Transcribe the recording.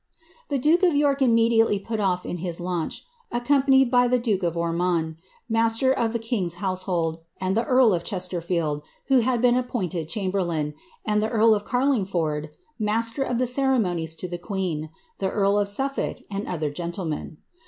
'" duke of York immediately put off in his launch, accompanied by Le of Ormond, master of the king's household, the earl of Chester r'ho had been appointed chamberlain, and the earl of Oarlingford, of the ceremonies to the queen, the earl of Suffolk, and other aen.